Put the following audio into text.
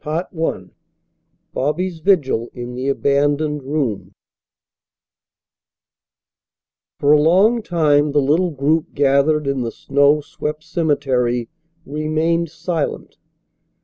CHAPTER IX BOBBY'S VIGIL IN THE ABANDONED ROOM For a long time the little group gathered in the snow swept cemetery remained silent.